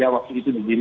waktu itu di diri